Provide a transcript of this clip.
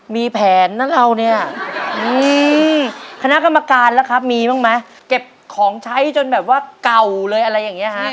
มีแผนนะเราเนี่ยคณะกรรมการแล้วครับมีบ้างไหมเก็บของใช้จนแบบว่าเก่าเลยอะไรอย่างนี้ฮะ